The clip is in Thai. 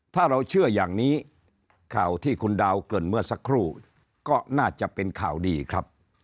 ถ้าเราเชื่ออย่างนี้ข่าวที่คุณดาวเกริ่นเมื่อสักครู่ก็น่าจะเป็นข่าวดีครับ